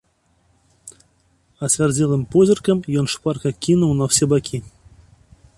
Ацвярдзелым позіркам ён шпарка кінуў на ўсе бакі.